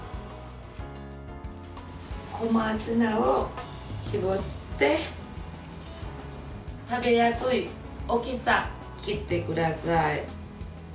小松菜を絞って食べやすい大きさに切ってください。